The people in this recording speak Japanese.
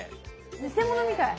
偽物みたい。